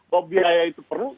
kok biaya itu perlu